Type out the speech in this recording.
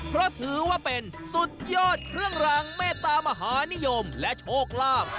เพราะถือว่าเป็นสุดยอดเครื่องรางเมตามหานิยมและโชคลาภ